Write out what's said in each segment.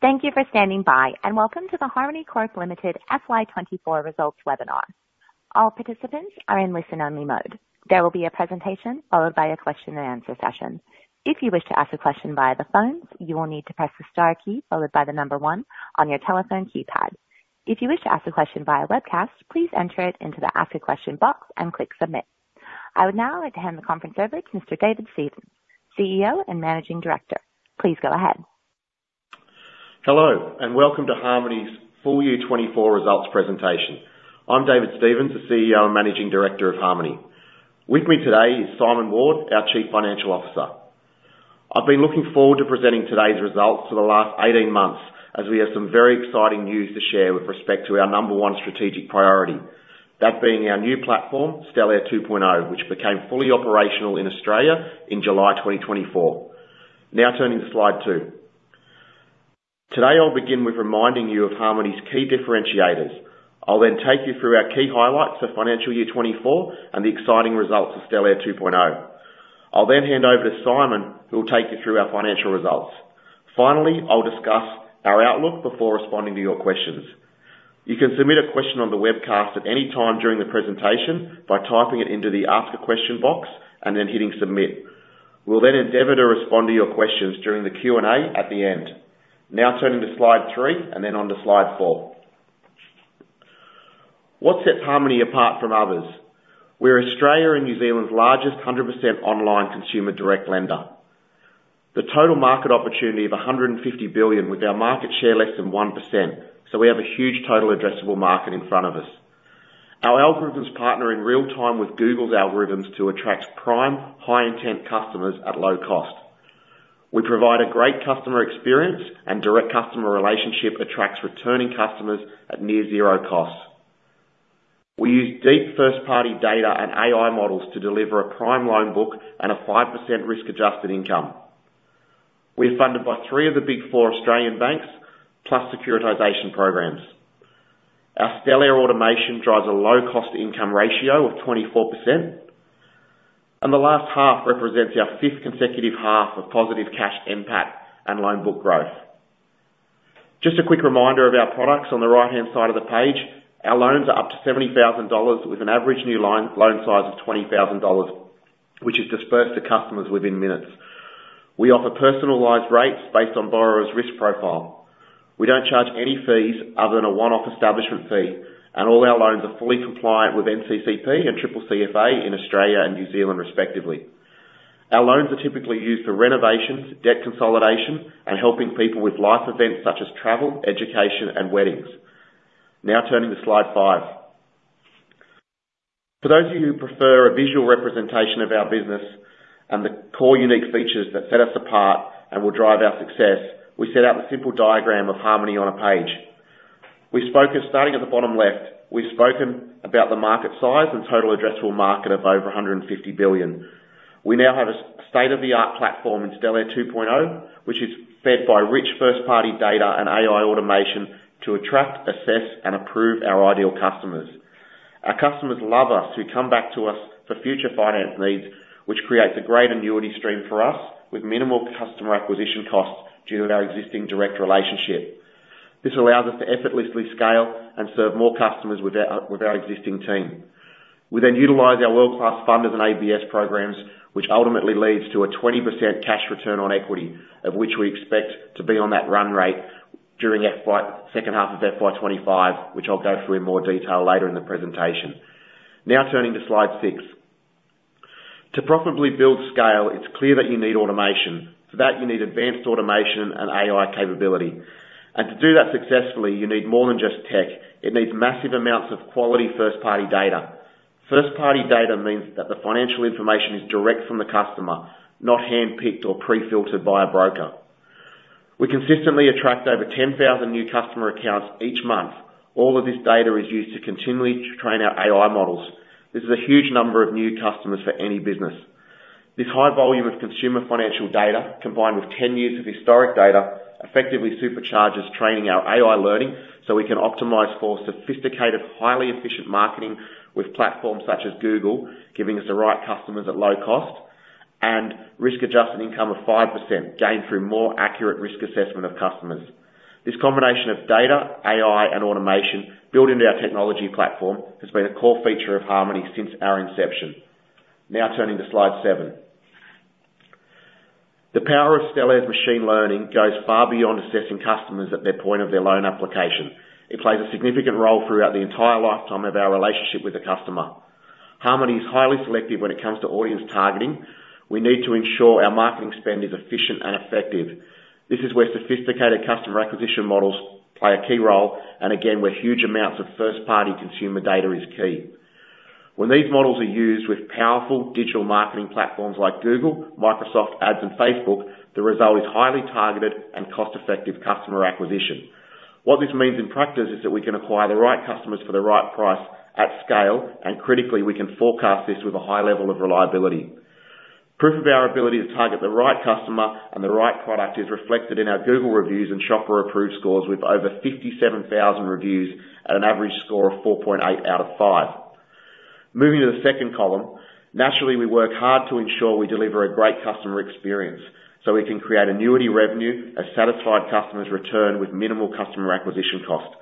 Thank you for standing by, and welcome to the Harmoney Corp Limited FY 2024 results webinar. All participants are in listen-only mode. There will be a presentation, followed by a question and answer session. If you wish to ask a question via the phone, you will need to press the star key followed by the number one on your telephone keypad. If you wish to ask a question via webcast, please enter it into the Ask a Question box and click Submit. I would now like to hand the conference over to Mr. David Stevens, CEO and Managing Director. Please go ahead. Hello, and welcome to Harmoney's full year twenty-four results presentation. I'm David Stevens, the CEO and Managing Director of Harmoney. With me today is Simon Ward, our Chief Financial Officer. I've been looking forward to presenting today's results for the last eighteen months, as we have some very exciting news to share with respect to our number one strategic priority. That being our new platform, Stellare 2.0, which became fully operational in Australia in July 2024. Now turning to slide two. Today, I'll begin with reminding you of Harmoney's key differentiators. I'll then take you through our key highlights for financial year twenty-four and the exciting results of Stellare 2.0. I'll then hand over to Simon, who will take you through our financial results. Finally, I'll discuss our outlook before responding to your questions. You can submit a question on the webcast at any time during the presentation by typing it into the Ask a Question box and then hitting Submit. We'll then endeavor to respond to your questions during the Q&A at the end. Now turning to slide three, and then on to slide four. What sets Harmoney apart from others? We're Australia and New Zealand's largest 100% online consumer direct lender. The total market opportunity of 150 billion, with our market share less than 1%, so we have a huge total addressable market in front of us. Our algorithms partner in real time with Google's algorithms to attract prime, high-intent customers at low cost. We provide a great customer experience, and direct customer relationship attracts returning customers at near zero cost. We use deep first-party data and AI models to deliver a prime loan book and a 5% risk-adjusted income. We are funded by three of the Big Four Australian banks, plus securitization programs. Our Stellare automation drives a cost-to-income ratio of 24%, and the last half represents our fifth consecutive half of positive cash NPAT and loan book growth. Just a quick reminder of our products on the right-hand side of the page. Our loans are up to 70,000 dollars, with an average new loan size of 20,000 dollars, which is disbursed to customers within minutes. We offer personalized rates based on borrower's risk profile. We don't charge any fees other than a one-off establishment fee, and all our loans are fully compliant with NCCP and CCCFA in Australia and New Zealand, respectively. Our loans are typically used for renovations, debt consolidation, and helping people with life events such as travel, education, and weddings. Now turning to slide five. For those of you who prefer a visual representation of our business and the core unique features that set us apart and will drive our success, we set out a simple diagram of Harmoney on a page. Starting at the bottom left, we've spoken about the market size and total addressable market of over 150 billion. We now have a state-of-the-art platform in Stellare 2.0, which is fed by rich first-party data and AI automation to attract, assess, and approve our ideal customers. Our customers love us. They come back to us for future finance needs, which creates a great annuity stream for us, with minimal customer acquisition costs due to our existing direct relationship. This allows us to effortlessly scale and serve more customers with our existing team. We then utilize our world-class funders and ABS programs, which ultimately leads to a 20% cash return on equity, of which we expect to be on that run rate during FY second half of FY 2025, which I'll go through in more detail later in the presentation. Now, turning to slide 6. To profitably build scale, it's clear that you need automation. For that, you need advanced automation and AI capability, and to do that successfully, you need more than just tech. It needs massive amounts of quality first-party data. First-party data means that the financial information is direct from the customer, not handpicked or pre-filtered by a broker. We consistently attract over 10,000 new customer accounts each month. All of this data is used to continually train our AI models. This is a huge number of new customers for any business. This high volume of consumer financial data, combined with 10 years of historic data, effectively supercharges training our AI learning, so we can optimize for sophisticated, highly efficient marketing with platforms such as Google, giving us the right customers at low cost, and risk-adjusted income of 5%, gained through more accurate risk assessment of customers. This combination of data, AI, and automation built into our technology platform, has been a core feature of Harmoney since our inception. Now turning to slide 7. The power of Stellare's machine learning goes far beyond assessing customers at their point of loan application. It plays a significant role throughout the entire lifetime of our relationship with the customer. Harmoney is highly selective when it comes to audience targeting. We need to ensure our marketing spend is efficient and effective. This is where sophisticated customer acquisition models play a key role, and again, where huge amounts of first-party consumer data is key. When these models are used with powerful digital marketing platforms like Google, Microsoft Ads, and Facebook, the result is highly targeted and cost-effective customer acquisition. What this means in practice is that we can acquire the right customers for the right price at scale, and critically, we can forecast this with a high level of reliability. Proof of our ability to target the right customer and the right product is reflected in our Google Reviews and Shopper Approved scores, with over 57,000 reviews at an average score of 4.8 out of 5. Moving to the second column, naturally, we work hard to ensure we deliver a great customer experience, so we can create annuity revenue as satisfied customers return with minimal customer acquisition cost.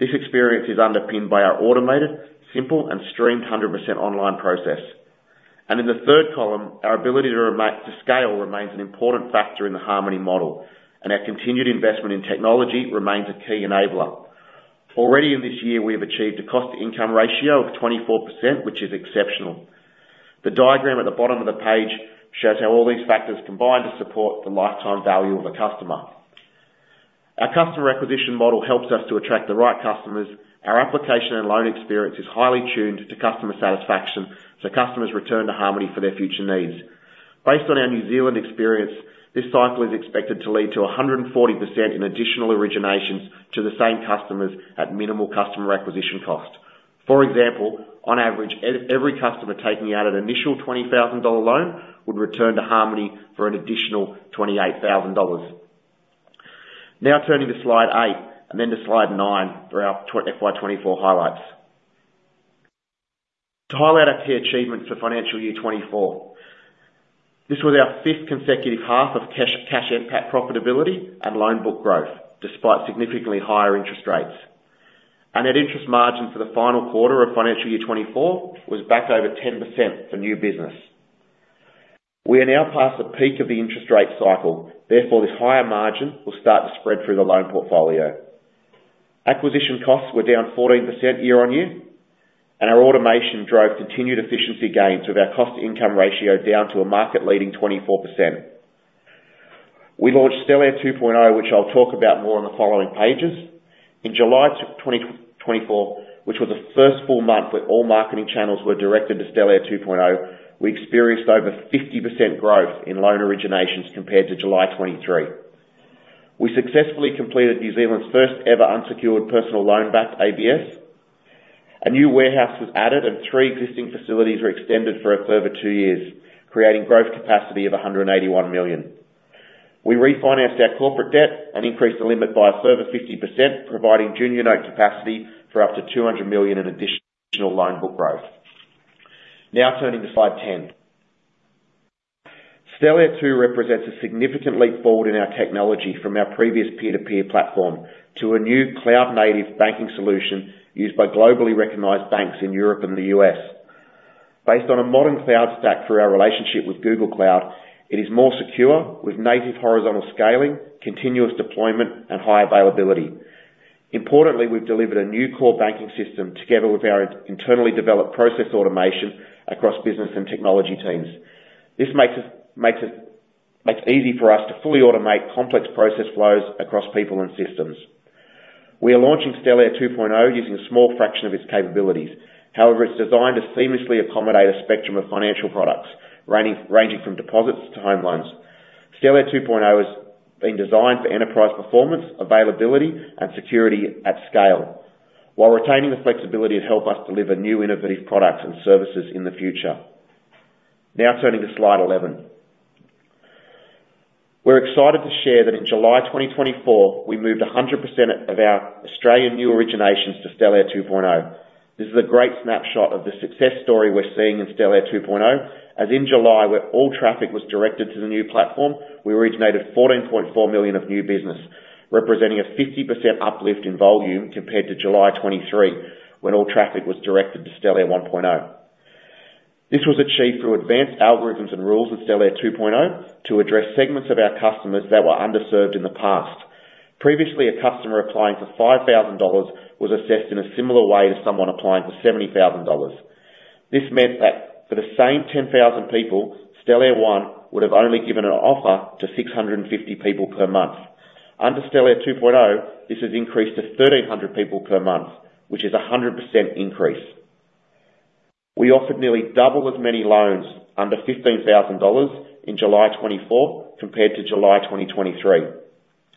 This experience is underpinned by our automated, simple, and streamlined 100% online process. In the third column, our ability to scale remains an important factor in the Harmoney model, and our continued investment in technology remains a key enabler. Already in this year, we have achieved a cost-to-income ratio of 24%, which is exceptional. The diagram at the bottom of the page shows how all these factors combine to support the lifetime value of a customer. Our customer acquisition model helps us to attract the right customers. Our application and loan experience is highly tuned to customer satisfaction, so customers return to Harmoney for their future needs. Based on our New Zealand experience, this cycle is expected to lead to 140% in additional originations to the same customers at minimal customer acquisition cost. For example, on average, every customer taking out an initial 20,000 dollar loan would return to Harmoney for an additional 28,000 dollars. Now turning to slide 8, and then to slide 9 for our FY 2024 highlights. To highlight our key achievements for financial year 2024, this was our fifth consecutive half of Cash NPAT profitability and loan book growth, despite significantly higher interest rates. Our net interest margin for the final quarter of financial year 2024 was back over 10% for new business. We are now past the peak of the interest rate cycle, therefore, this higher margin will start to spread through the loan portfolio. Acquisition costs were down 14% year-on-year, and our automation drove continued efficiency gains, with our cost-to-income ratio down to a market-leading 24%. We launched Stellare 2.0, which I'll talk about more on the following pages. In July 2024, which was the first full month where all marketing channels were directed to Stellare 2.0, we experienced over 50% growth in loan originations compared to July 2023. We successfully completed New Zealand's first-ever unsecured personal loan-backed ABS. A new warehouse was added, and three existing facilities were extended for a further two years, creating growth capacity of 181 million. We refinanced our corporate debt and increased the limit by a further 50%, providing junior note capacity for up to 200 million in additional loan book growth. Now turning to slide 10. Stellare 2.0 represents a significant leap forward in our technology from our previous peer-to-peer platform, to a new cloud-native banking solution used by globally recognized banks in Europe and the U.S.. Based on a modern cloud stack through our relationship with Google Cloud, it is more secure, with native horizontal scaling, continuous deployment, and high availability. Importantly, we've delivered a new core banking system together with our internally developed process automation across business and technology teams. This makes it easy for us to fully automate complex process flows across people and systems. We are launching Stellare 2.0, using a small fraction of its capabilities. However, it's designed to seamlessly accommodate a spectrum of financial products, ranging from deposits to home loans. Stellare 2.0 has been designed for enterprise performance, availability, and security at scale, while retaining the flexibility to help us deliver new innovative products and services in the future. Now turning to Slide 11. We're excited to share that in July 2024, we moved 100% of our Australian new originations to Stellare 2.0. This is a great snapshot of the success story we're seeing in Stellare 2.0, as in July, where all traffic was directed to the new platform, we originated 14.4 million of new business, representing a 50% uplift in volume compared to July 2023, when all traffic was directed to Stellare 1.0. This was achieved through advanced algorithms and rules with Stellare 2.0, to address segments of our customers that were underserved in the past. Previously, a customer applying for 5,000 dollars was assessed in a similar way to someone applying for 70,000 dollars. This meant that for the same 10,000 people, Stellare 1.0 would have only given an offer to 650 people per month. Under Stellare 2.0, this has increased to 1,300 people per month, which is a 100% increase. We offered nearly double as many loans under 15,000 dollars in July 2024 compared to July 2023.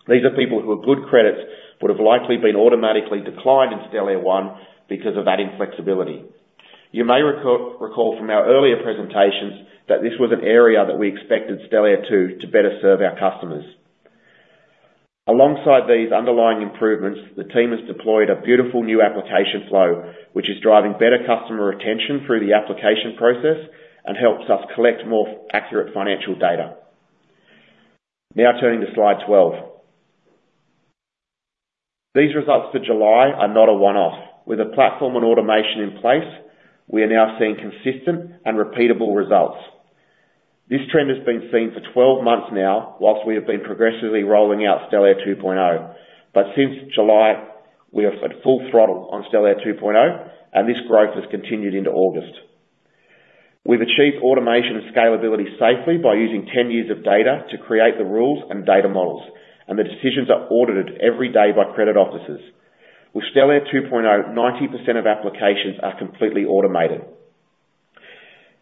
These are people who are good credits, would have likely been automatically declined in Stellare 1.0 because of that inflexibility. You may recall from our earlier presentations, that this was an area that we expected Stellare 2.0 to better serve our customers. Alongside these underlying improvements, the team has deployed a beautiful new application flow, which is driving better customer retention through the application process and helps us collect more accurate financial data. Now turning to Slide 12. These results for July are not a one-off. With a platform and automation in place, we are now seeing consistent and repeatable results. This trend has been seen for twelve months now, while we have been progressively rolling out Stellare 2.0. But since July, we are at full throttle on Stellare 2.0, and this growth has continued into August. We've achieved automation and scalability safely by using 10 years of data to create the rules and data models, and the decisions are audited every day by credit officers. With Stellare 2.0, 90% of applications are completely automated.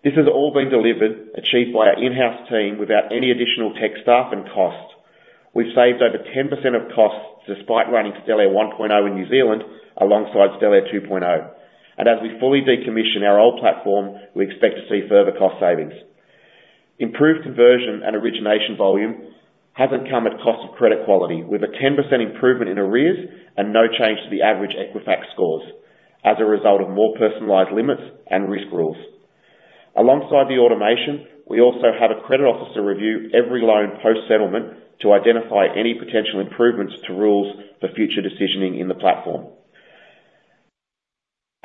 This has all been delivered, achieved by our in-house team, without any additional tech staff and costs. We've saved over 10% of costs, despite running Stellare 1.0 in New Zealand, alongside Stellare 2.0. And as we fully decommission our old platform, we expect to see further cost savings. Improved conversion and origination volume hasn't come at cost of credit quality, with a 10% improvement in arrears and no change to the average Equifax scores, as a result of more personalized limits and risk rules. Alongside the automation, we also have a credit officer review every loan post-settlement to identify any potential improvements to rules for future decisioning in the platform.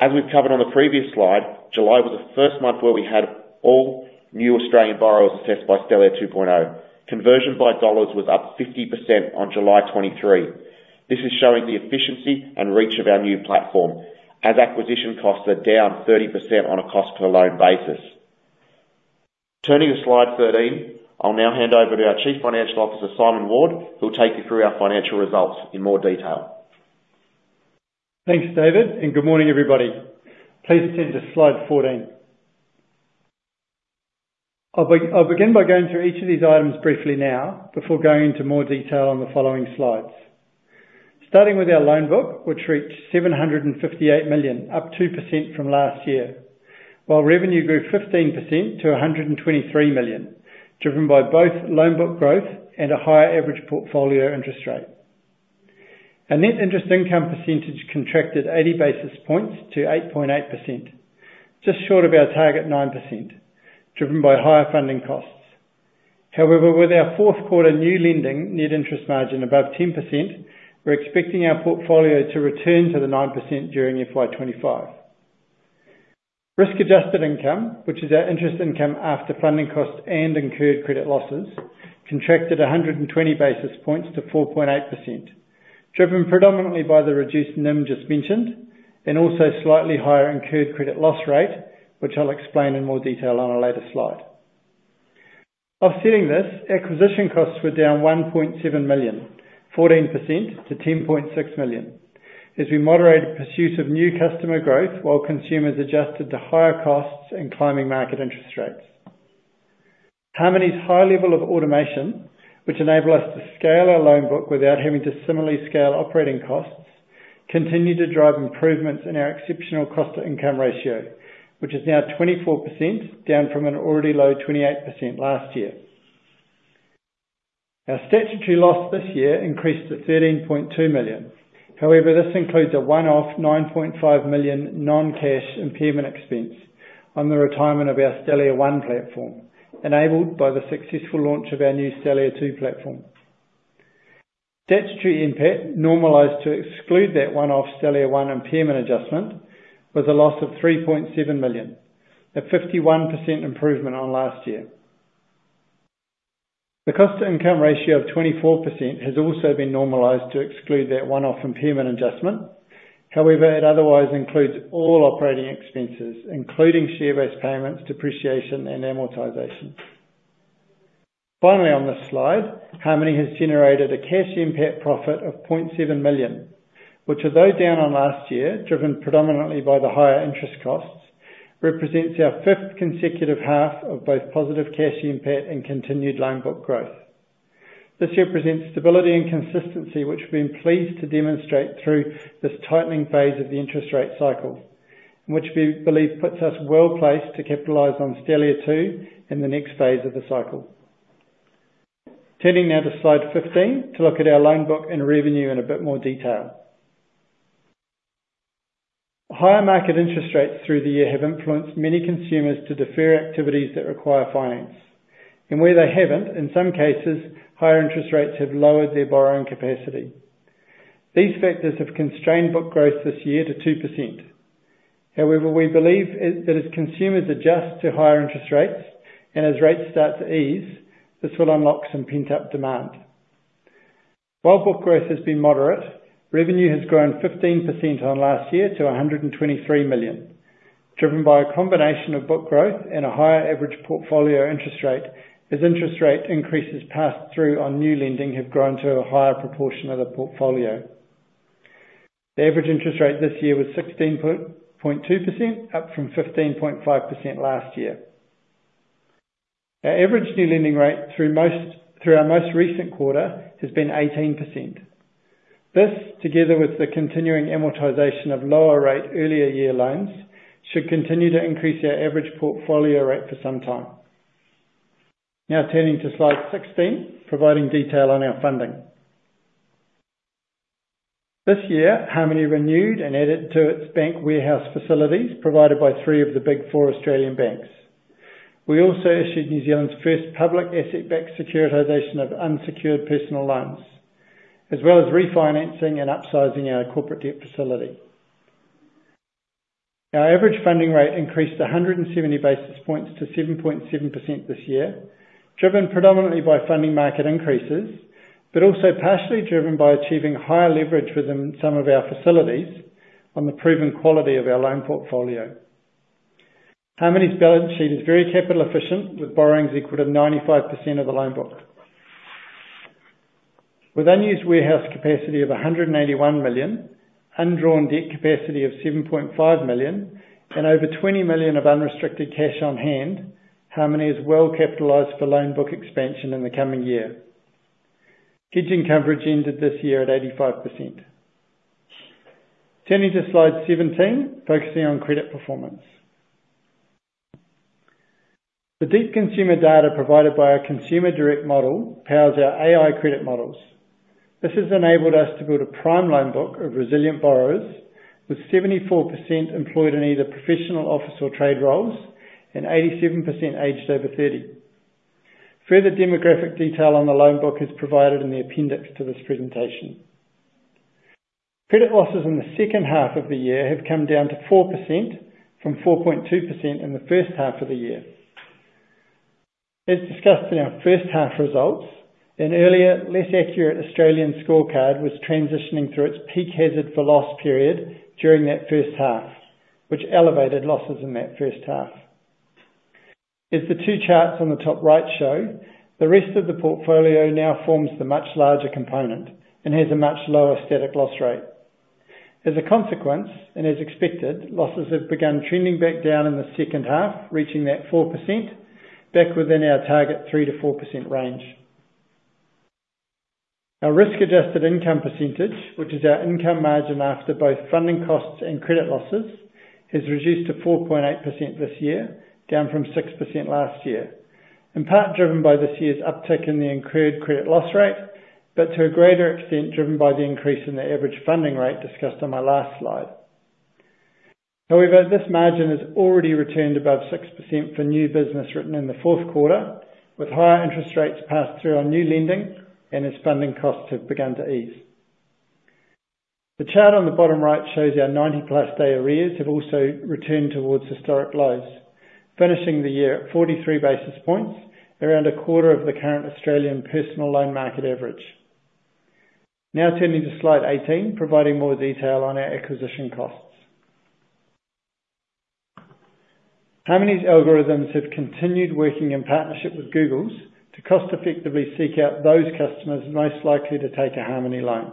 As we've covered on the previous slide, July was the first month where we had all new Australian borrowers assessed by Stellare 2.0. Conversion by dollars was up 50% on July 2023. This is showing the efficiency and reach of our new platform, as acquisition costs are down 30% on a cost per loan basis. Turning to Slide 13, I'll now hand over to our Chief Financial Officer, Simon Ward, who will take you through our financial results in more detail. Thanks, David, and good morning, everybody. Please turn to Slide 14. I'll begin by going through each of these items briefly now, before going into more detail on the following slides. Starting with our loan book, which reached 758 million, up 2% from last year, while revenue grew 15% to 123 million, driven by both loan book growth and a higher average portfolio interest rate. Our net interest income percentage contracted 80 basis points to 8.8%, just short of our target 9%, driven by higher funding costs. However, with our fourth quarter new lending net interest margin above 10%, we're expecting our portfolio to return to the 9% during FY 2025. Risk-adjusted income, which is our interest income after funding costs and incurred credit losses, contracted 120 basis points to 4.8%, driven predominantly by the reduced NIM just mentioned, and also slightly higher incurred credit loss rate, which I'll explain in more detail on a later slide. Offsetting this, acquisition costs were down 1.7 million, 14% to 10.6 million, as we moderated pursuit of new customer growth while consumers adjusted to higher costs and climbing market interest rates. Harmoney's high level of automation, which enable us to scale our loan book without having to similarly scale operating costs, continue to drive improvements in our exceptional cost-to-income ratio, which is now 24%, down from an already low 28% last year. Our statutory loss this year increased to 13.2 million. However, this includes a one-off 9.5 million non-cash impairment expense on the retirement of our Stellare 1.0 platform, enabled by the successful launch of our new Stellare 2.0 platform. Statutory NPAT, normalized to exclude that one-off Stellare 1.0 impairment adjustment, was a loss of 3.7 million, a 51% improvement on last year. The cost-to-income ratio of 24% has also been normalized to exclude that one-off impairment adjustment. However, it otherwise includes all operating expenses, including share-based payments, depreciation, and amortization. Finally, on this slide, Harmoney has generated a cash NPAT profit of 0.7 million, which although down on last year, driven predominantly by the higher interest costs, represents our fifth consecutive half of both positive cash NPAT and continued loan book growth. This represents stability and consistency, which we've been pleased to demonstrate through this tightening phase of the interest rate cycle, and which we believe puts us well placed to capitalize on Stellare 2.0 in the next phase of the cycle. Turning now to Slide 15, to look at our loan book and revenue in a bit more detail. Higher market interest rates through the year have influenced many consumers to defer activities that require finance, and where they haven't, in some cases, higher interest rates have lowered their borrowing capacity. These factors have constrained book growth this year to 2%. However, we believe that as consumers adjust to higher interest rates and as rates start to ease, this will unlock some pent-up demand. While book growth has been moderate, revenue has grown 15% on last year to 123 million, driven by a combination of book growth and a higher average portfolio interest rate, as interest rate increases passed through on new lending have grown to a higher proportion of the portfolio. The average interest rate this year was 16.2%, up from 15.5% last year. Our average new lending rate through our most recent quarter has been 18%. This, together with the continuing amortization of lower rate earlier year loans, should continue to increase our average portfolio rate for some time. Now turning to Slide 16, providing detail on our funding. This year, Harmoney renewed and added to its bank warehouse facilities, provided by three of the Big Four Australian banks. We also issued New Zealand's first public asset-backed securitization of unsecured personal loans, as well as refinancing and upsizing our corporate debt facility. Our average funding rate increased a hundred and seventy basis points to 7.7% this year, driven predominantly by funding market increases, but also partially driven by achieving higher leverage within some of our facilities on the proven quality of our loan portfolio. Harmoney's balance sheet is very capital efficient, with borrowings equivalent 95% of the loan book. With unused warehouse capacity of 181 million, undrawn debt capacity of 7.5 million, and over 20 million of unrestricted cash on hand, Harmoney is well capitalized for loan book expansion in the coming year. Gearing coverage ended this year at 85%... Turning to slide 17, focusing on credit performance. The deep consumer data provided by our consumer direct model powers our AI credit models. This has enabled us to build a prime loan book of resilient borrowers, with 74% employed in either professional, office, or trade roles, and 87% aged over thirty. Further demographic detail on the loan book is provided in the appendix to this presentation. Credit losses in the second half of the year have come down to 4% from 4.2% in the first half of the year. As discussed in our first half results, an earlier, less accurate Australian scorecard was transitioning through its peak hazard for loss period during that first half, which elevated losses in that first half. As the two charts on the top right show, the rest of the portfolio now forms the much larger component and has a much lower static loss rate. As a consequence, and as expected, losses have begun trending back down in the second half, reaching that 4% back within our target 3%-4% range. Our Risk-adjusted income percentage, which is our income margin after both funding costs and credit losses, has reduced to 4.8% this year, down from 6% last year, in part driven by this year's uptick in the incurred credit loss rate, but to a greater extent, driven by the increase in the average funding rate discussed on my last slide. However, this margin has already returned above 6% for new business written in the fourth quarter, with higher interest rates passed through on new lending and as funding costs have begun to ease. The chart on the bottom right shows our 90-plus day arrears have also returned towards historic lows, finishing the year at 43 basis points, around a quarter of the current Australian personal loan market average. Now turning to slide 18, providing more detail on our acquisition costs. Harmoney's algorithms have continued working in partnership with Google's to cost effectively seek out those customers most likely to take a Harmoney loan.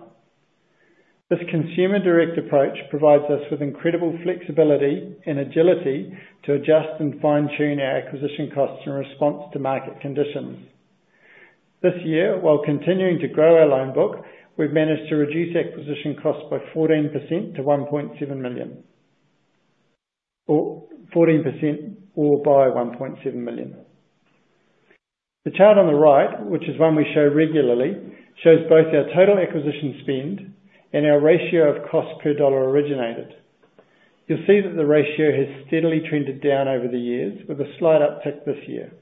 This consumer direct approach provides us with incredible flexibility and agility to adjust and fine-tune our acquisition costs in response to market conditions. This year, while continuing to grow our loan book, we've managed to reduce acquisition costs by 14% to 1.7 million. The chart on the right, which is one we show regularly, shows both our total acquisition spend and our ratio of cost per dollar originated. You'll see that the ratio has steadily trended down over the years with a slight uptick this year.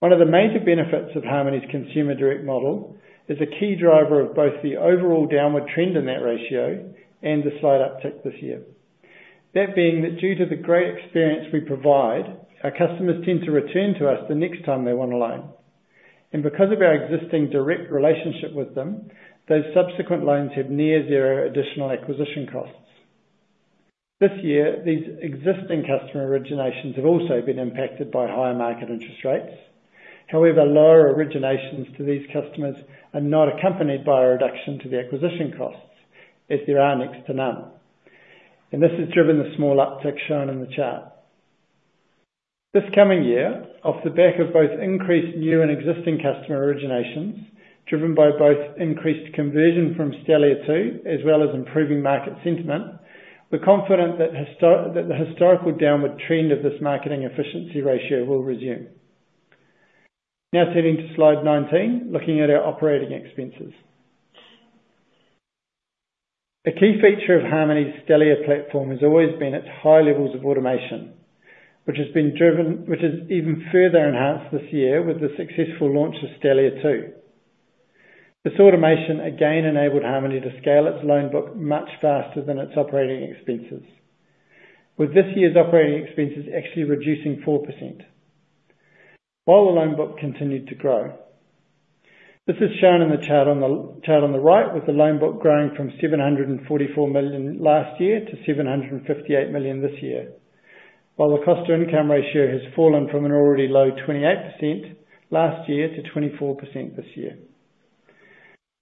One of the major benefits of Harmoney's consumer direct model is a key driver of both the overall downward trend in that ratio and the slight uptick this year. That being, that due to the great experience we provide, our customers tend to return to us the next time they want a loan, and because of our existing direct relationship with them, those subsequent loans have near zero additional acquisition costs. This year, these existing customer originations have also been impacted by higher market interest rates. However, lower originations to these customers are not accompanied by a reduction to the acquisition costs, as there are next to none, and this has driven the small uptick shown in the chart. This coming year, off the back of both increased new and existing customer originations, driven by both increased conversion from Stellare 2.0, as well as improving market sentiment, we're confident that the historical downward trend of this marketing efficiency ratio will resume. Now turning to Slide 19, looking at our operating expenses. A key feature of Harmoney's Stellare platform has always been its high levels of automation, which has been driven, which is even further enhanced this year with the successful launch of Stellare 2.0. This automation again enabled Harmoney to scale its loan book much faster than its operating expenses, with this year's operating expenses actually reducing 4% while the loan book continued to grow. This is shown in the chart on the right, with the loan book growing from 744 million last year to 758 million this year, while the cost-to-income ratio has fallen from an already low 28% last year to 24% this year.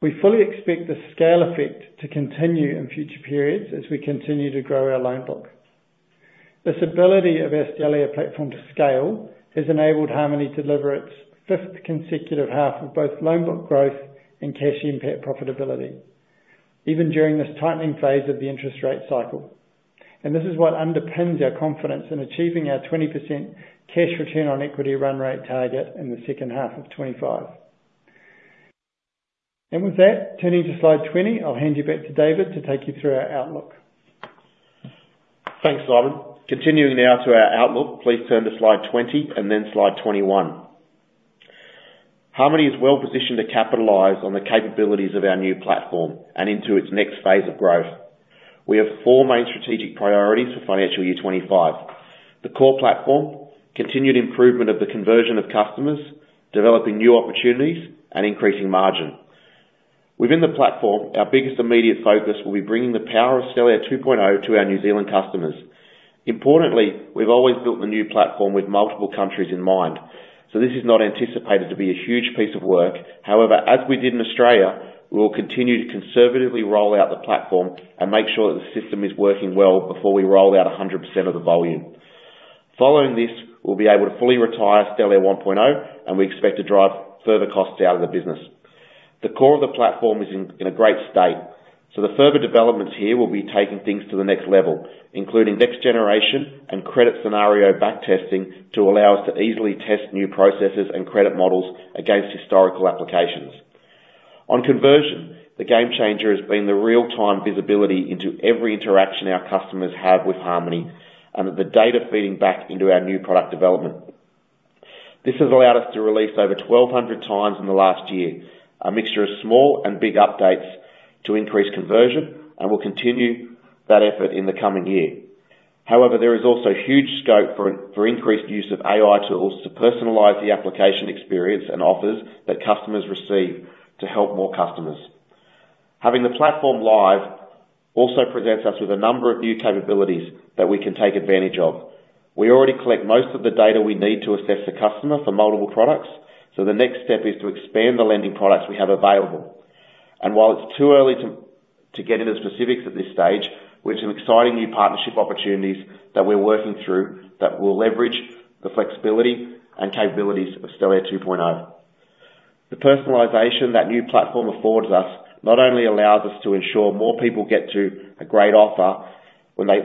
We fully expect this scale effect to continue in future periods as we continue to grow our loan book. This ability of our Stellare platform to scale has enabled Harmoney to deliver its fifth consecutive half of both loan book growth and Cash NPAT profitability, even during this tightening phase of the interest rate cycle. This is what underpins our confidence in achieving our 20% Cash ROE run-rate target in the second half of 2025. With that, turning to Slide 20, I'll hand you back to David to take you through our outlook. Thanks, Simon. Continuing now to our outlook, please turn to slide 20 and then slide 21. Harmoney is well positioned to capitalize on the capabilities of our new platform and into its next phase of growth. We have four main strategic priorities for financial year 2025: the core platform, continued improvement of the conversion of customers, developing new opportunities, and increasing margin. Within the platform, our biggest immediate focus will be bringing the power of Stellare 2.0 to our New Zealand customers. Importantly, we've always built the new platform with multiple countries in mind, so this is not anticipated to be a huge piece of work. However, as we did in Australia, we will continue to conservatively roll out the platform and make sure that the system is working well before we roll out 100% of the volume.... Following this, we'll be able to fully retire Stellare 1.0, and we expect to drive further costs out of the business. The core of the platform is in a great state, so the further developments here will be taking things to the next level, including next-generation credit scenario back-testing, to allow us to easily test new processes and credit models against historical applications. On conversion, the game changer has been the real-time visibility into every interaction our customers have with Harmoney and the data feeding back into our new product development. This has allowed us to release over 1,200 times in the last year, a mixture of small and big updates to increase conversion, and we'll continue that effort in the coming year. However, there is also huge scope for increased use of AI tools to personalize the application experience and offers that customers receive to help more customers. Having the platform live also presents us with a number of new capabilities that we can take advantage of. We already collect most of the data we need to assess the customer for multiple products, so the next step is to expand the lending products we have available. While it's too early to get into the specifics at this stage, we have some exciting new partnership opportunities that we're working through that will leverage the flexibility and capabilities of Stellare 2.0. The personalization that new platform affords us not only allows us to ensure more people get to a great offer when they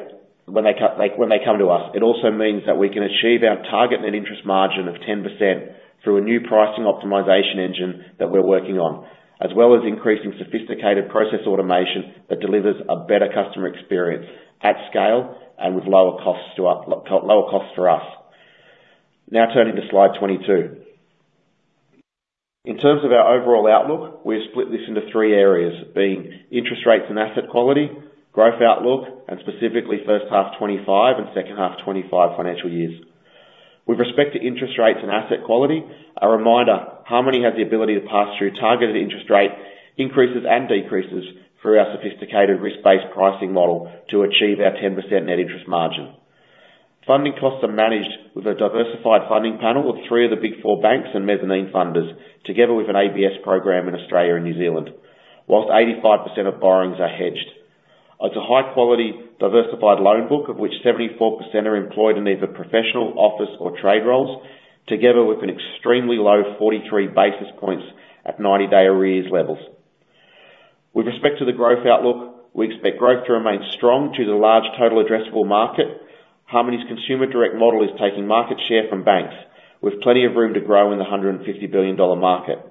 come to us, like, it also means that we can achieve our target net interest margin of 10% through a new pricing optimization engine that we're working on, as well as increasing sophisticated process automation that delivers a better customer experience at scale and with lower costs for us. Now, turning to slide 22. In terms of our overall outlook, we have split this into three areas, being interest rates and asset quality, growth outlook, and specifically first half 2025 and second half 2025 financial years. With respect to interest rates and asset quality, a reminder, Harmoney has the ability to pass through targeted interest rate increases and decreases through our sophisticated risk-based pricing model to achieve our 10% net interest margin. Funding costs are managed with a diversified funding panel of three of the big four banks and mezzanine funders, together with an ABS program in Australia and New Zealand, while 85% of borrowings are hedged. It's a high quality, diversified loan book, of which 74% are employed in either professional, office or trade roles, together with an extremely low 43 basis points at 90 day arrears levels. With respect to the growth outlook, we expect growth to remain strong due to the large total addressable market. Harmoney's consumer direct model is taking market share from banks, with plenty of room to grow in the 150 billion dollar market.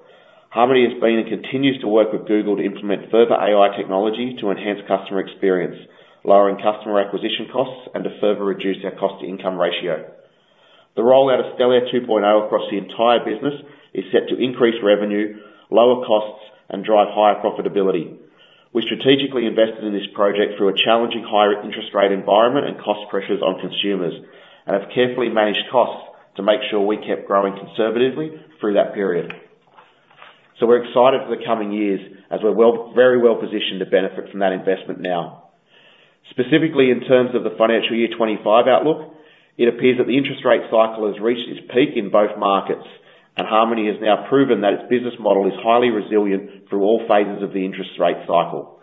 Harmoney has been and continues to work with Google to implement further AI technology to enhance customer experience, lowering customer acquisition costs, and to further reduce our cost-to-income ratio. The rollout of Stellare 2.0 across the entire business is set to increase revenue, lower costs, and drive higher profitability. We strategically invested in this project through a challenging, higher interest rate environment and cost pressures on consumers, and have carefully managed costs to make sure we kept growing conservatively through that period. So we're excited for the coming years, as we're well- very well positioned to benefit from that investment now. Specifically, in terms of the financial year 2025 outlook, it appears that the interest rate cycle has reached its peak in both markets, and Harmoney has now proven that its business model is highly resilient through all phases of the interest rate cycle.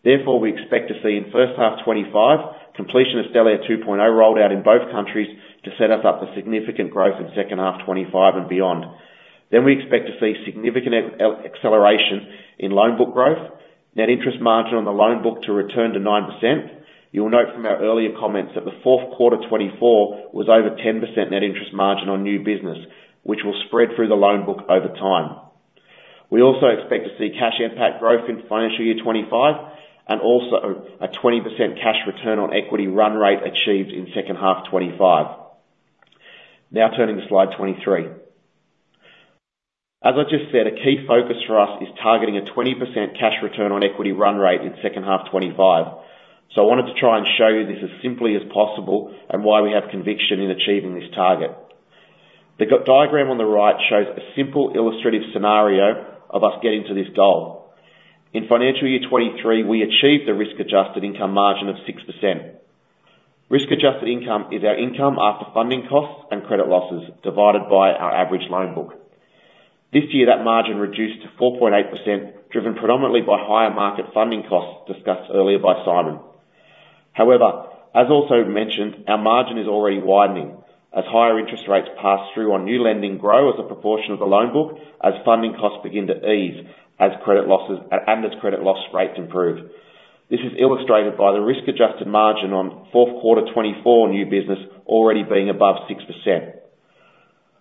Therefore, we expect to see in first half 2025 completion of Stellare 2.0 rolled out in both countries to set us up for significant growth in second half 2025 and beyond. We expect to see significant acceleration in loan book growth, net interest margin on the loan book to return to 9%. You will note from our earlier comments that the fourth quarter 2024 was over 10% net interest margin on new business, which will spread through the loan book over time. We also expect to see Cash NPAT growth in financial year 2025, and also a 20% cash return on equity run rate achieved in second half 2025. Now, turning to slide 23. As I just said, a key focus for us is targeting a 20% cash return on equity run rate in second half 2025. So I wanted to try and show you this as simply as possible, and why we have conviction in achieving this target. The diagram on the right shows a simple illustrative scenario of us getting to this goal. In financial year 2023, we achieved a risk-adjusted income margin of 6%. Risk-adjusted income is our income after funding costs and credit losses, divided by our average loan book. This year, that margin reduced to 4.8%, driven predominantly by higher market funding costs discussed earlier by Simon. However, as also mentioned, our margin is already widening as higher interest rates pass through on new lending grow as a proportion of the loan book, as funding costs begin to ease, as credit losses, and as credit loss rates improve. This is illustrated by the risk-adjusted margin on fourth quarter 2024 new business already being above 6%.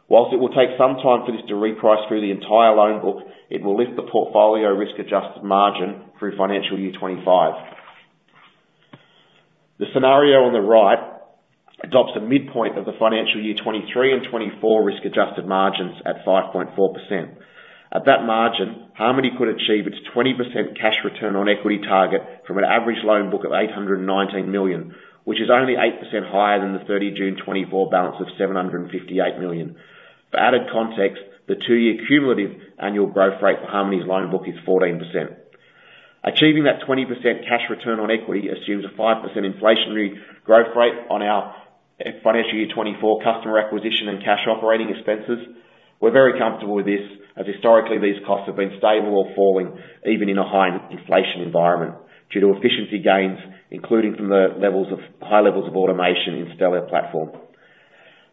While it will take some time for this to reprice through the entire loan book, it will lift the portfolio risk-adjusted margin through financial year 2025. The scenario on the right adopts a midpoint of the financial year 2023 and 2024 risk-adjusted margins at 5.4%. At that margin, Harmoney could achieve its 20% cash return on equity target from an average loan book of 819 million, which is only 8% higher than the 30 June 2024 balance of 758 million. For added context, the two-year cumulative annual growth rate for Harmoney's loan book is 14%. Achieving that 20% cash return on equity assumes a 5% inflationary growth rate on our financial year 2024 customer acquisition and cash operating expenses. We're very comfortable with this, as historically, these costs have been stable or falling, even in a high inflation environment, due to efficiency gains, including from high levels of automation in Stellare platform.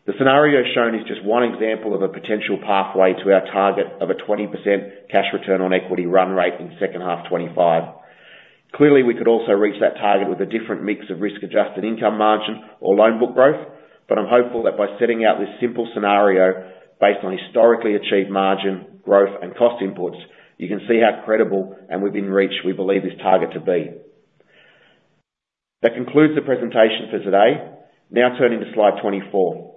The scenario shown is just one example of a potential pathway to our target of a 20% cash return on equity run rate in the second half 2025. Clearly, we could also reach that target with a different mix of risk-adjusted income margin or loan book growth, but I'm hopeful that by setting out this simple scenario based on historically achieved margin, growth, and cost inputs, you can see how credible and within reach we believe this target to be. That concludes the presentation for today. Now turning to slide 24.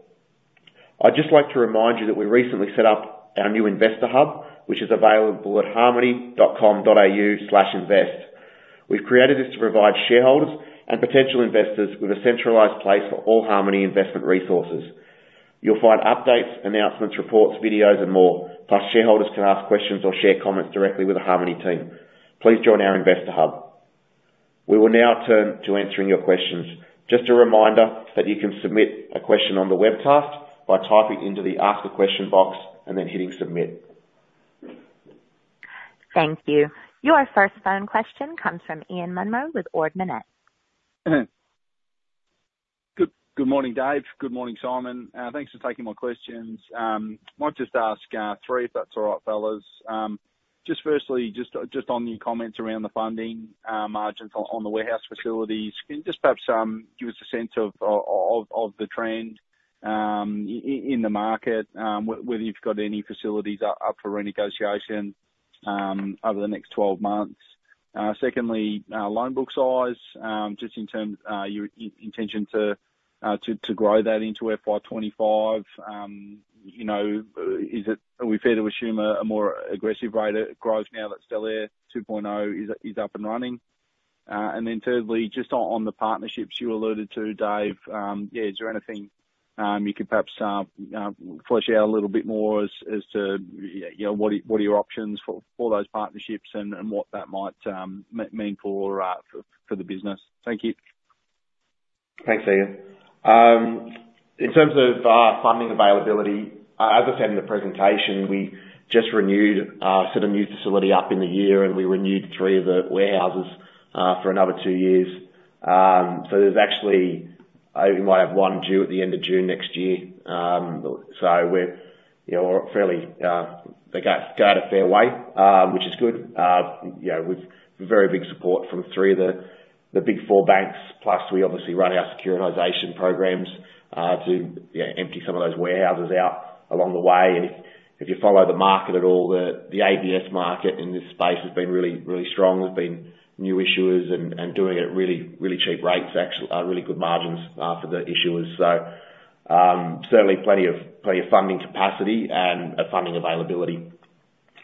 I'd just like to remind you that we recently set up our new Investor Hub, which is available at harmoney.com.au/invest. We've created this to provide shareholders and potential investors with a centralized place for all Harmoney investment resources. You'll find updates, announcements, reports, videos, and more, plus shareholders can ask questions or share comments directly with the Harmoney team. Please join our Investor Hub. We will now turn to answering your questions. Just a reminder that you can submit a question on the webcast by typing into the "Ask a Question" box and then hitting "Submit. Thank you. Your first phone question comes from Ian Munro with Ord Minnett. Good morning, Dave. Good morning, Simon. Thanks for taking my questions. Might just ask three, if that's all right, fellas. Just firstly, just on your comments around the funding, margins on the warehouse facilities, can you just perhaps give us a sense of the trend in the market, whether you've got any facilities up for renegotiation over the next twelve months? Secondly, loan book size, just in terms your intention to grow that into FY 2025, you know, are we fair to assume a more aggressive rate of growth now that Stellare 2.0 is up and running? And then thirdly, just on the partnerships you alluded to, Dave, is there anything you could perhaps flesh out a little bit more as to, you know, what are your options for those partnerships and what that might mean for the business? Thank you. Thanks, Ian. In terms of funding availability, as I said in the presentation, we just renewed set a new facility up in the year, and we renewed three of the warehouses for another two years. So there's actually we might have one due at the end of June next year. So we're, you know, we're fairly got a fair way, which is good, you know, with very big support from three of the Big Four banks. Plus, we obviously run our securitization programs to, you know, empty some of those warehouses out along the way. If you follow the market at all, the ABS market in this space has been really, really strong. There's been new issuers and doing it at really, really cheap rates, actually, really good margins for the issuers. Certainly plenty of funding capacity and funding availability.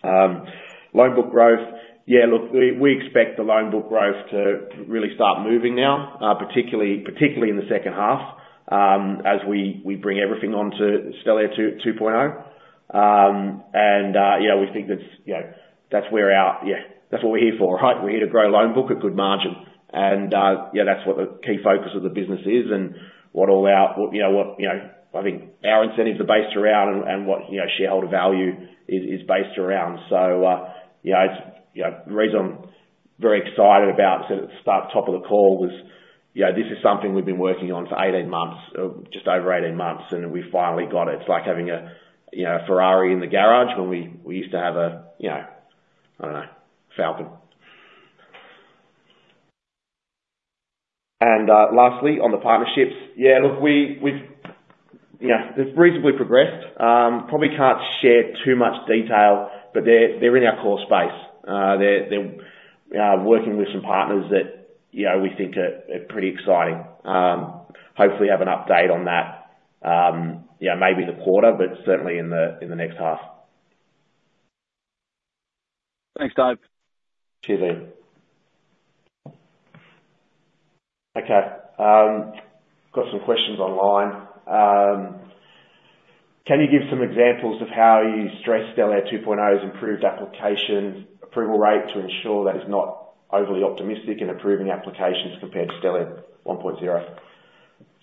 Loan book growth, yeah, look, we expect the loan book growth to really start moving now, particularly in the second half, as we bring everything onto Stellare 2.0. And, you know, we think that's, you know, that's where our... Yeah, that's what we're here for, right? We're here to grow loan book at good margin. And, yeah, that's what the key focus of the business is and what all our – what, you know, what, you know, I think our incentives are based around and, what, you know, shareholder value is based around. So, you know, it's the reason I'm very excited about, sort of, top of the call was, you know, this is something we've been working on for eighteen months, just over eighteen months, and we've finally got it. It's like having a, you know, a Ferrari in the garage when we used to have a, you know, I don't know, Falcon. And lastly, on the partnerships, yeah, look, you know, they've reasonably progressed, probably can't share too much detail, but they're working with some partners that, you know, we think are pretty exciting. Hopefully have an update on that, you know, maybe the quarter, but certainly in the next half. Thanks, Dave. Cheers, Ian. Okay, got some questions online. Can you give some examples of how you stress Stellare 2.0's improved application approval rate to ensure that it's not overly optimistic in approving applications compared to Stellare 1.0?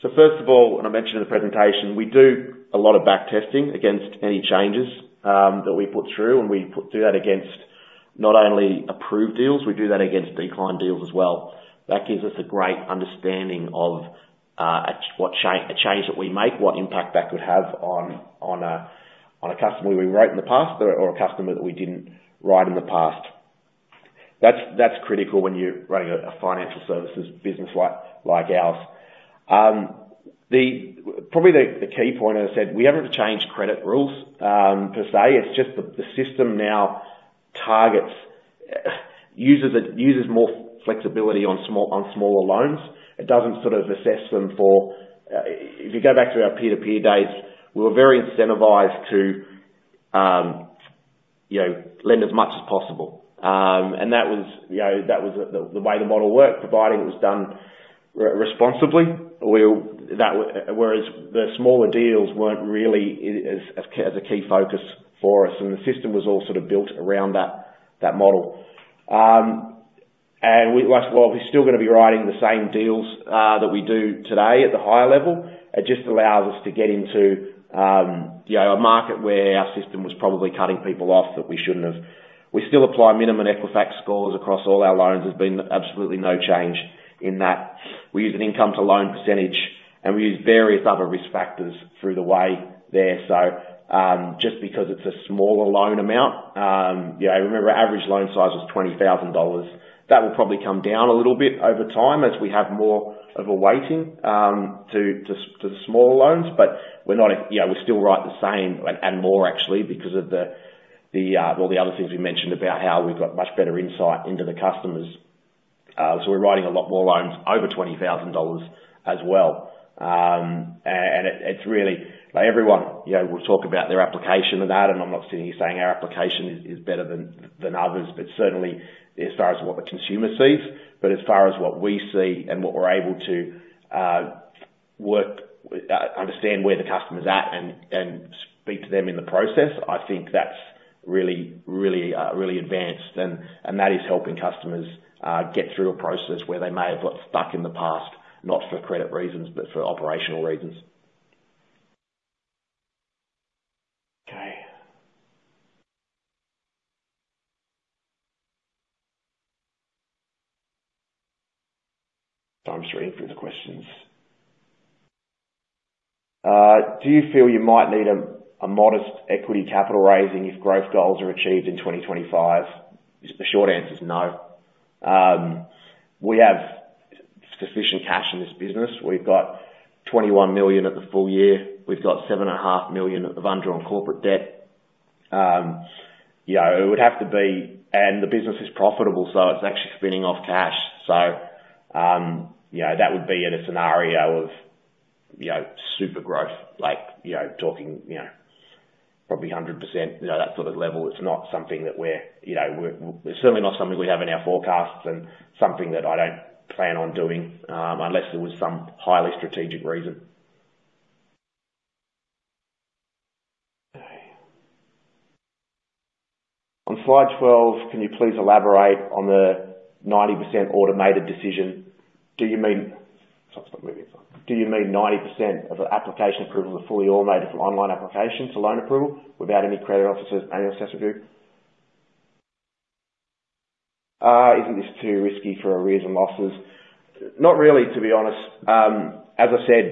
So first of all, and I mentioned in the presentation, we do a lot of back testing against any changes that we put through, and we do that against not only approved deals, we do that against declined deals as well. That gives us a great understanding of at what change that we make, what impact that could have on a customer we wrote in the past or a customer that we didn't write in the past. That's critical when you're running a financial services business like ours. Probably the key point, as I said, we haven't changed credit rules per se. It's just that the system now targets uses more flexibility on smaller loans. It doesn't sort of assess them for. If you go back to our peer-to-peer days, we were very incentivized to you know, lend as much as possible and that was you know, that was the way the model worked, providing it was done responsibly. Whereas the smaller deals weren't really as a key focus for us, and the system was all sort of built around that model. Well, we're still gonna be writing the same deals that we do today at the higher level. It just allows us to get into, you know, a market where our system was probably cutting people off that we shouldn't have. We still apply minimum Equifax scores across all our loans. There's been absolutely no change in that. We use an income to loan percentage, and we use various other risk factors through the way there. Just because it's a smaller loan amount, you know, remember, our average loan size was 20,000 dollars. That will probably come down a little bit over time as we have more of a weighting to the smaller loans. But we're not, you know, we still write the same and more actually, because of all the other things we mentioned about how we've got much better insight into the customers. So we're writing a lot more loans over 20,000 dollars as well. And it’s really. Everyone, you know, will talk about their application and that, and I'm not sitting here saying our application is better than others, but certainly as far as what the consumer sees. But as far as what we see and what we're able to work understand where the customer's at and speak to them in the process, I think that's really advanced, and that is helping customers get through a process where they may have got stuck in the past, not for credit reasons, but for operational reasons. Okay. So I'm just reading through the questions. Do you feel you might need a modest equity capital raising if growth goals are achieved in 2025? The short answer is no. We have sufficient cash in this business. We've got 21 million at the full year. We've got 7.5 million of undrawn corporate debt. You know, it would have to be, and the business is profitable, so it's actually spinning off cash. So, you know, that would be in a scenario of, you know, super growth, like, you know, talking, you know, probably 100%, you know, that sort of level. It's not something that we're, you know, it's certainly not something we have in our forecasts and something that I don't plan on doing, unless there was some highly strategic reason. Okay. On slide 12, can you please elaborate on the 90% automated decision? Do you mean... Sorry, it's not moving. Do you mean 90% of the application approvals are fully automated from online applications to loan approval without any credit officer's manual assessment review? Isn't this too risky for arrears and losses? Not really, to be honest. As I said,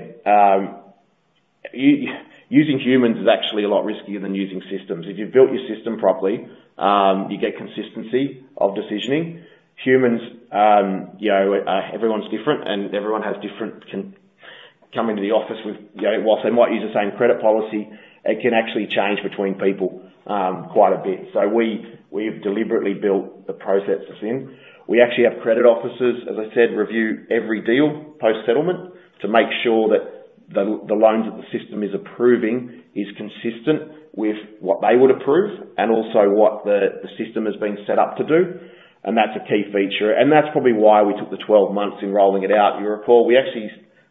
using humans is actually a lot riskier than using systems. If you've built your system properly, you get consistency of decisioning. Humans, you know, everyone's different, and everyone has different concerns come into the office with, you know, whilst they might use the same credit policy, it can actually change between people, quite a bit. So we've deliberately built the processes in. We actually have credit officers, as I said, review every deal post-settlement to make sure that the loans that the system is approving is consistent with what they would approve and also what the system has been set up to do. And that's a key feature, and that's probably why we took the twelve months in rolling it out. You'll recall, we actually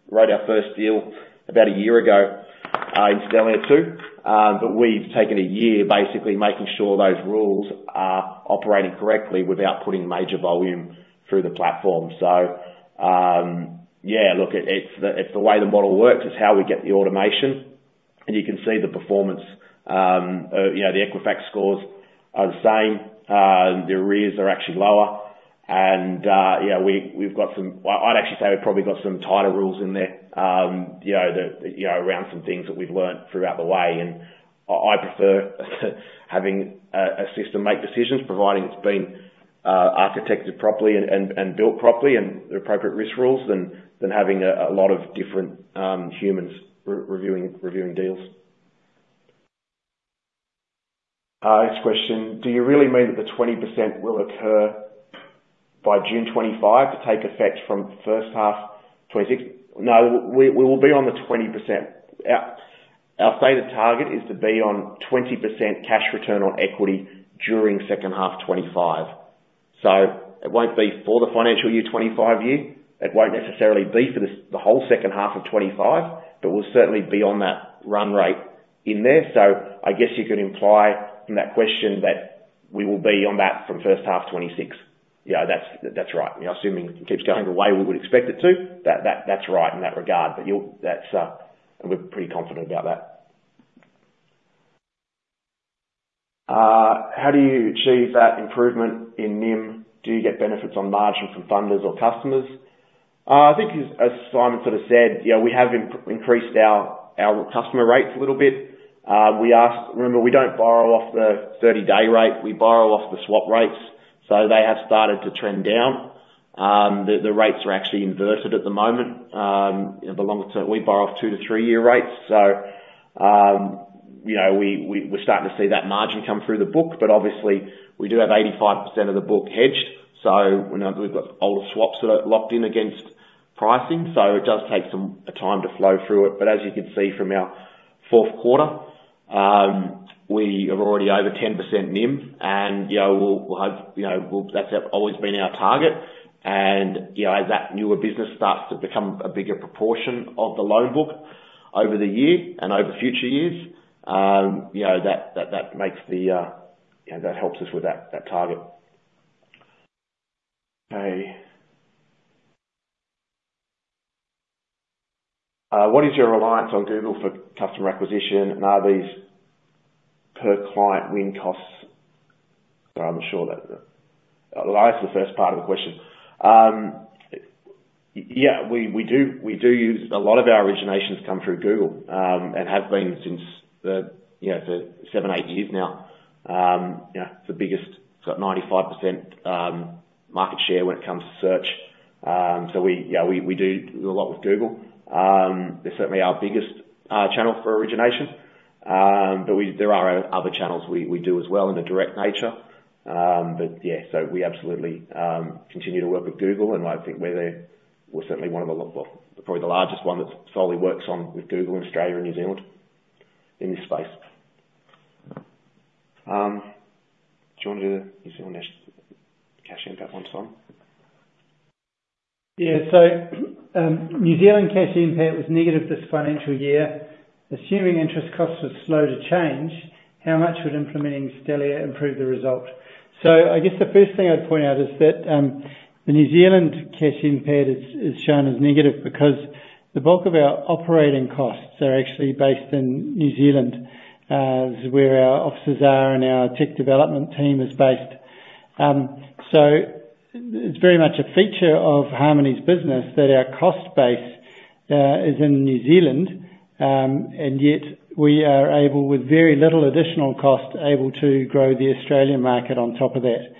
wrote our first deal about a year ago in Stellare 2.0. But we've taken a year, basically making sure those rules are operating correctly without putting major volume through the platform. So, yeah, look, it's the way the model works, it's how we get the automation, and you can see the performance, you know, the Equifax scores are the same. The arrears are actually lower, and, you know, we, we've got some... I'd actually say we've probably got some tighter rules in there, you know, that, you know, around some things that we've learned throughout the way. And I prefer having a system make decisions, providing it's been architected properly and built properly and the appropriate risk rules, than having a lot of different humans reviewing deals. Next question: Do you really mean that the 20% will occur by June 2025 to take effect from first half 2026? No, we will be on the 20%. Our stated target is to be on 20% cash return on equity during second half 2025. So it won't be for the financial year 2025. It won't necessarily be for the whole second half of 2025, but we'll certainly be on that run rate in there. I guess you could imply from that question that we will be on that from first half 2026. You know, that's right. You know, assuming it keeps going the way we would expect it to, that's right in that regard. But you'll, that's, we're pretty confident about that. How do you achieve that improvement in NIM? Do you get benefits on margins from funders or customers? I think as Simon sort of said, you know, we have increased our customer rates a little bit. Remember, we don't borrow off the thirty-day rate; we borrow off the swap rates, so they have started to trend down. The rates are actually inverted at the moment. You know, the longer term, we borrow off two to three-year rates. So, you know, we're starting to see that margin come through the book, but obviously we do have 85% of the book hedged. So, you know, we've got older swaps that are locked in against pricing, so it does take some time to flow through it. But as you can see from our fourth quarter, we are already over 10% NIM, and, you know, we'll have, you know. That's always been our target. And, you know, as that newer business starts to become a bigger proportion of the loan book over the year and over future years, you know, that makes the, you know, that helps us with that target. Okay. What is your reliance on Google for customer acquisition, and are these per client win costs? I'm sure that replies to the first part of the question. Yeah, we do use. A lot of our originations come through Google and have been since the, you know, for seven, eight years now. You know, it's the biggest. It's got 95% market share when it comes to search. So we do a lot with Google. They're certainly our biggest channel for origination. But we, there are other channels we do as well in a direct nature. But yeah, so we absolutely continue to work with Google, and I think we're certainly one of the, well, probably the largest one that solely works with Google in Australia and New Zealand, in this space. Do you wanna do the New Zealand cash impact one, Simon? Yeah. So, New Zealand cash impact was negative this financial year. Assuming interest costs were slow to change, how much would implementing Stellare improve the result? So I guess the first thing I'd point out is that, the New Zealand cash impact is shown as negative, because the bulk of our operating costs are actually based in New Zealand, is where our offices are and our tech development team is based. So it's very much a feature of Harmoney's business that our cost base is in New Zealand, and yet we are able, with very little additional cost, able to grow the Australian market on top of that.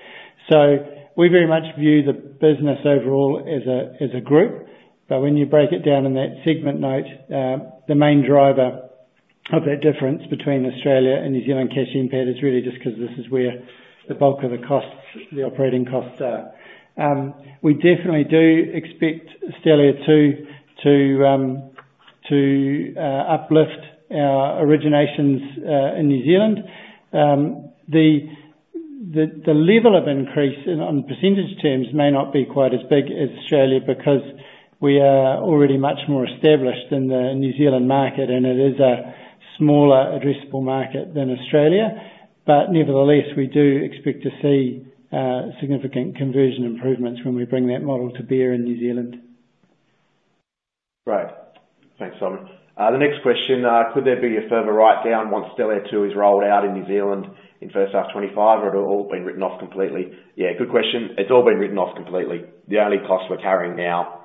So we very much view the business overall as a group, but when you break it down in that segment note, the main driver of that difference between Australia and New Zealand cash impact is really just 'cause this is where the bulk of the costs, the operating costs are. We definitely do expect Stellare 2.0 to uplift our originations in New Zealand. The level of increase in percentage terms may not be quite as big as Australia, because we are already much more established in the New Zealand market, and it is a smaller addressable market than Australia. But nevertheless, we do expect to see significant conversion improvements when we bring that model to bear in New Zealand. Great. Thanks, Simon. The next question: Could there be a further write-down once Stellare 2.0 is rolled out in New Zealand in first half 2025, or it all been written off completely? Yeah, good question. It's all been written off completely. The only cost we're carrying now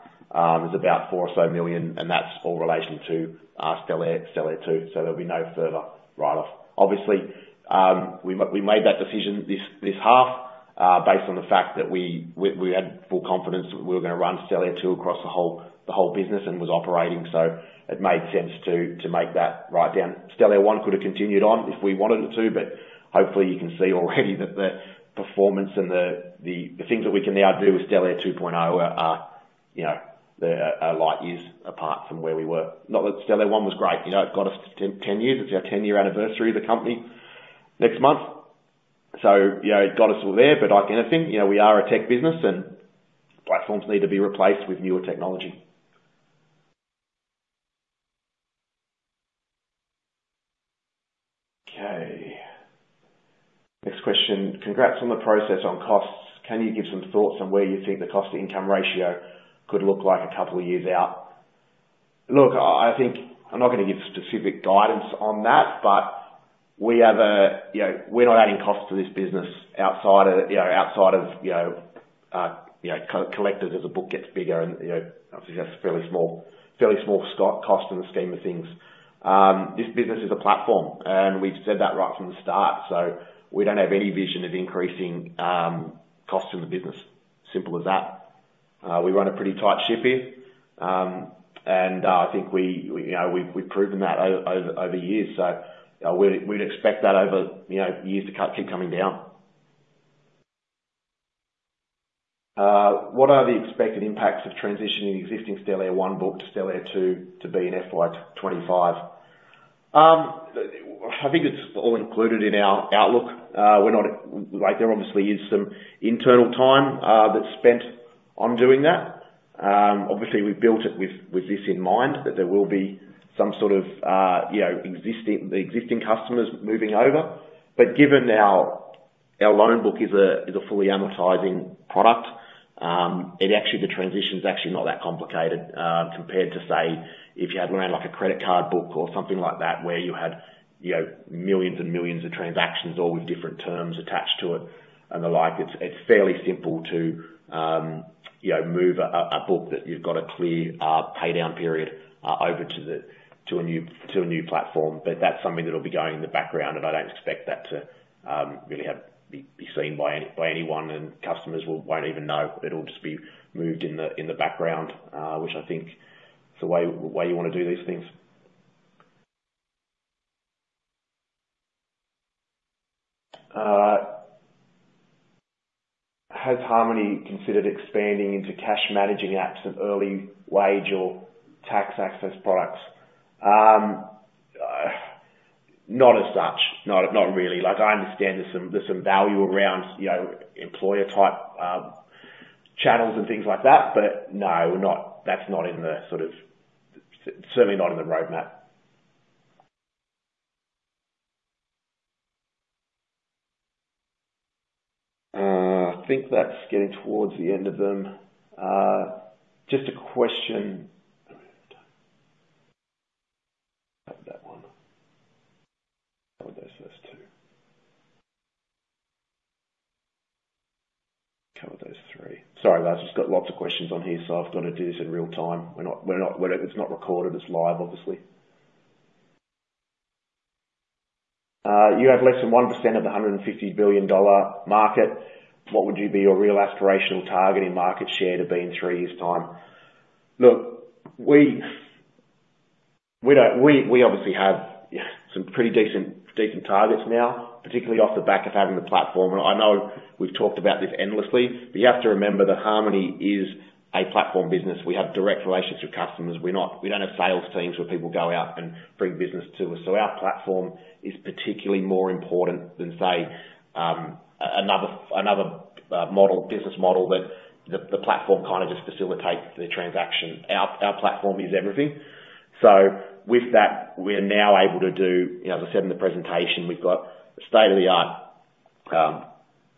is about 4 million or so, and that's all in relation to Stellare 2.0, so there'll be no further write-off. Obviously, we made that decision this half based on the fact that we had full confidence that we were gonna run Stellare 2.0 across the whole business and was operating, so it made sense to make that write-down. Stellare 1.0 could have continued on if we wanted it to, but hopefully you can see already that the performance and the things that we can now do with Stellare 2.0 are, you know, they're light years apart from where we were. Not that Stellare 1.0 was great, you know, it got us to 10 years. It's our 10-year anniversary of the company next month. So, you know, it got us all there. But like anything, you know, we are a tech business, and platforms need to be replaced with newer technology. Okay, next question: Congrats on the progress on costs. Can you give some thoughts on where you think the cost-to-income ratio could look like a couple of years out? Look, I think... I'm not gonna give specific guidance on that, but we have a, you know, we're not adding costs to this business outside of, you know, cost to collect as the book gets bigger, and, you know, obviously, that's fairly small cost in the scheme of things. This business is a platform, and we've said that right from the start, so we don't have any vision of increasing cost in the business. Simple as that. We run a pretty tight ship here, and I think we, you know, we've proven that over years, so we'd expect that over, you know, years to come, keep coming down. What are the expected impacts of transitioning existing Stellare 1.0 book to Stellare 2.0 to be in FY 2025? I think it's all included in our outlook. We're not. Like, there obviously is some internal time that's spent on doing that. Obviously we've built it with this in mind, that there will be some sort of you know, existing customers moving over. But given our loan book is a fully amortizing product, it actually, the transition is actually not that complicated, compared to, say, if you had around like a credit card book or something like that, where you had, you know, millions and millions of transactions, all with different terms attached to it and the like. It's fairly simple to you know, move a book that you've got a clear pay down period over to a new platform. But that's something that will be going in the background, and I don't expect that to really be seen by anyone, and customers won't even know. It'll just be moved in the background, which I think is the way you want to do these things. Has Harmoney considered expanding into cash managing apps and early wage or tax access products? Not as such. Not really. Like, I understand there's some value around, you know, employer type channels and things like that, but no, we're not. That's not in the sort of... Certainly not in the roadmap. I think that's getting towards the end of them. Just a question. Have that one. Cover those first two. Cover those three. Sorry, guys, just got lots of questions on here, so I've got to do this in real time. We're not. It's not recorded, it's live, obviously. You have less than 1% of the 150 billion dollar market. What would be your real aspirational target in market share to be in three years' time? Look, we don't. We obviously have, you know, some pretty decent targets now, particularly off the back of having the platform. And I know we've talked about this endlessly, but you have to remember that Harmoney is a platform business. We have direct relations with customers. We don't have sales teams where people go out and bring business to us. So our platform is particularly more important than, say, another business model that the platform kind of just facilitates the transaction. Our platform is everything. So with that, we're now able to do. You know, as I said in the presentation, we've got a state-of-the-art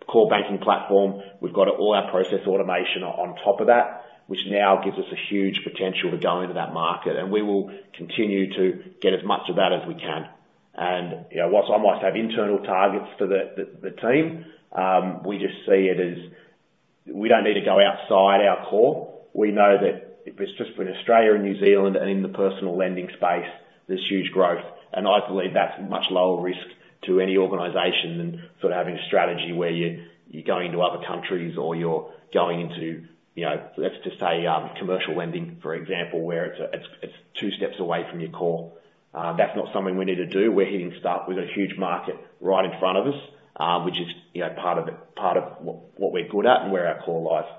core banking platform. We've got all our process automation on top of that, which now gives us a huge potential to go into that market, and we will continue to get as much of that as we can. And, you know, whilst I might have internal targets for the team, we just see it as we don't need to go outside our core. We know that if it's just between Australia and New Zealand and in the personal lending space, there's huge growth. And I believe that's much lower risk to any organization than sort of having a strategy where you're going to other countries or you're going into, you know, let's just say, commercial lending, for example, where it's two steps away from your core. That's not something we need to do. We're hitting start. We've got a huge market right in front of us, which is, you know, part of it, part of what we're good at and where our core lies.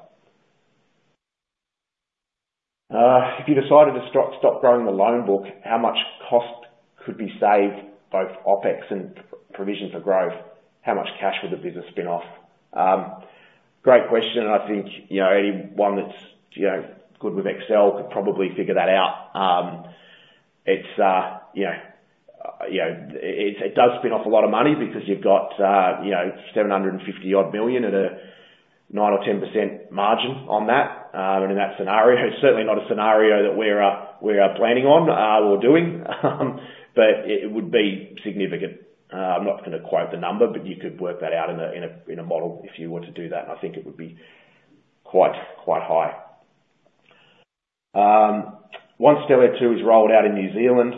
If you decided to stop growing the loan book, how much cost could be saved, both OpEx and provision for growth? How much cash would the business spin off? Great question, and I think, you know, anyone that's good with Excel could probably figure that out. It's, you know, you know, it does spin off a lot of money because you've got, you know, 750-odd million at a 9% or 10% margin on that. In that scenario, certainly not a scenario that we're planning on or doing, but it would be significant. I'm not gonna quote the number, but you could work that out in a model if you were to do that, and I think it would be quite high. Once Stellare 2.0 is rolled out in New Zealand,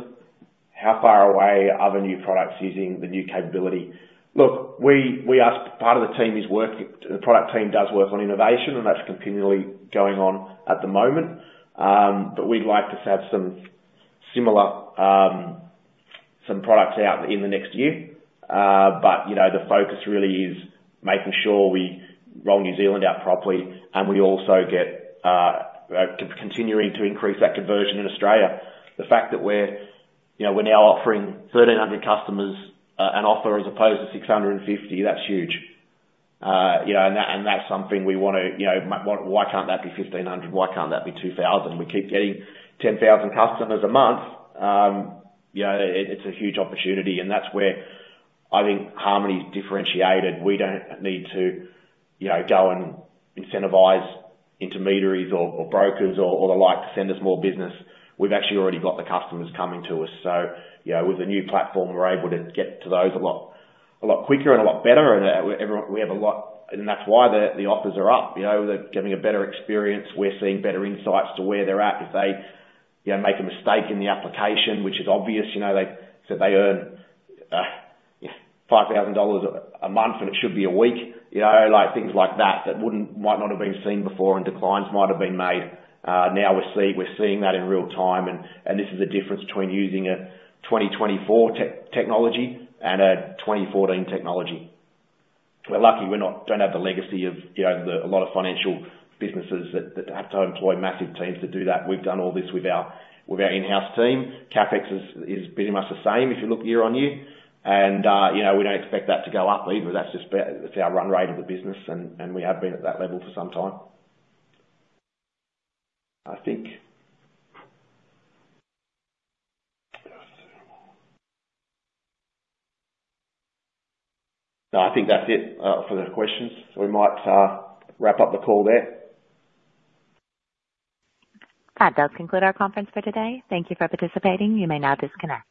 how far away are the new products using the new capability? Look, we are. Part of the team is working. The product team does work on innovation, and that's continually going on at the moment. But we'd like to have some similar, some products out in the next year. But, you know, the focus really is making sure we roll New Zealand out properly, and we also get continuing to increase that conversion in Australia. The fact that we're, you know, we're now offering 1,300 customers an offer as opposed to 650, that's huge. You know, and that, and that's something we want to. You know, why can't that be 1,500? Why can't that be 2,000? We keep getting 10,000 customers a month, you know, it, it's a huge opportunity, and that's where I think Harmoney is differentiated. We don't need to, you know, go and incentivize intermediaries or, or brokers or, or the like, to send us more business. We've actually already got the customers coming to us. So, you know, with the new platform, we're able to get to those a lot quicker and a lot better. And we have a lot. And that's why the offers are up. You know, they're getting a better experience. We're seeing better insights to where they're at. If they, you know, make a mistake in the application, which is obvious, you know, they said they earn 5,000 dollars a month, and it should be a week, you know, like things like that, that wouldn't, might not have been seen before and declines might have been made. Now we're seeing that in real time, and this is the difference between using a 2024 technology and a 2014 technology. We're lucky, we don't have the legacy of, you know, a lot of financial businesses that have to employ massive teams to do that. We've done all this with our in-house team. CapEx is pretty much the same if you look year on year, and you know, we don't expect that to go up either. That's just it's our run rate of the business, and we have been at that level for some time. I think that's it for the questions, so we might wrap up the call there. That does conclude our conference for today. Thank you for participating. You may now disconnect.